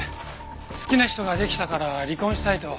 好きな人が出来たから離婚したいと。